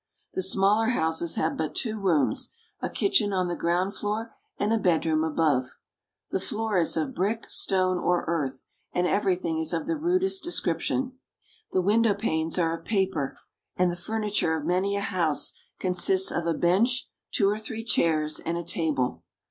The smaller houses have but two rooms, a kitchen on the ground floor and a bedroom above. The floor is of brick, stone, or earth, and everything is of the rudest description. The window panes are of paper, and the furniture of many a house consists of a bench, two or three chairs, and a table.